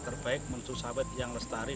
terbaik menuju sawit yang lestari